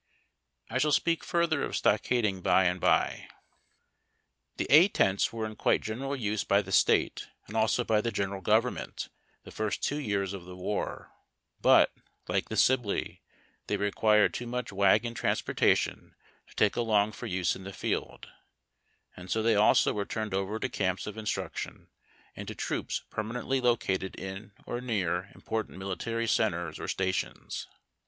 I shall speak further of stockading by and by. SPOONING TOGETHER. 50 HAIW TACK AND COFFEE. The A tents were in quite general use by the State and also by the general government the first two years of the war, but, like the Sibley, they required too much wagon transportation to take along for use in the field, and so they also were turned over to camps of instruction and to troops permanently located in or near important military centres or stations.